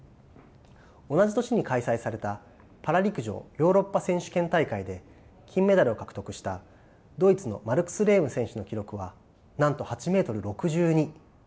同じ年に開催されたパラ陸上ヨーロッパ選手権大会で金メダルを獲得したドイツのマルクス・レーム選手の記録はなんと８ｍ６２。